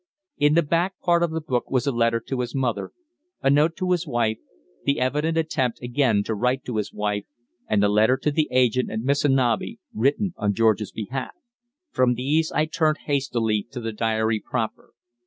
In the back part of the book was a letter to his mother, a note to his wife, the evident attempt again to write to his wife, and the letter to the agent at Missanabie written on George's behalf. From these I turned hastily to the diary proper.